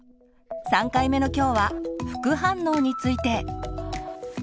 ３回目の今日は「副反応について」。